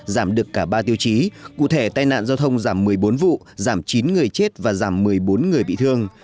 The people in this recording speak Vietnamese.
giảm được cả ba tiêu chí cụ thể tai nạn giao thông giảm một mươi bốn vụ giảm chín người chết và giảm một mươi bốn người bị thương